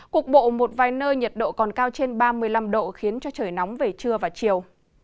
cục bộ một vài nơi nhiệt độ còn cao trên ba mươi năm độ khiến cho trời nóng về trưa và chiều